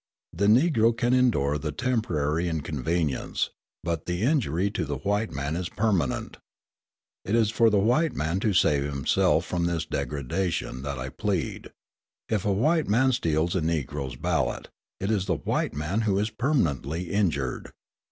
The Negro can endure the temporary inconvenience, but the injury to the white man is permanent. It is for the white man to save himself from this degradation that I plead. If a white man steals a Negro's ballot, it is the white man who is permanently injured.